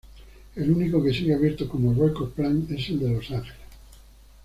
El único que sigue abierto como Record Plant es el de Los Ángeles.